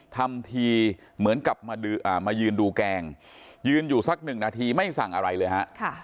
ทำทีเหมือนกับมายืนดูแกงยืนอยู่สักหนึ่งนาทีไม่สั่งอะไรเลยฮะ